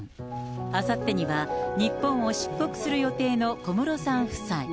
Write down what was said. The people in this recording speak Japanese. あさってには日本を出国する予定の小室さん夫妻。